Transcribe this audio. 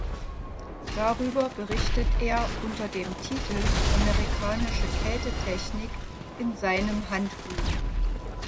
Darüber berichtet er unter dem Titel „Amerikanische Kältetechnik“ in seinem Handbuch.